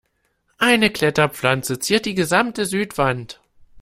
Eine Kletterpflanze ziert die gesamte Südwand.